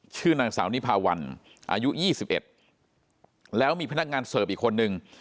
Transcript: ชื่อนางสาวนิพาวันอายุ๒๑แล้วมีพนักงานเสิร์ฟอีกคนนึง